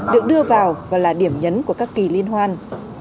được đưa vào và là điểm nhấn của các kỳ liên hoan